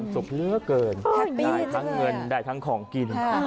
สุขเหลือเกินได้ทั้งเงินได้ทั้งของกิน